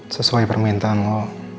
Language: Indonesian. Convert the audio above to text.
sesuai permintaan lo